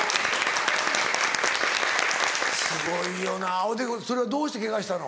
すごいよなほいでそれはどうしてケガしたの？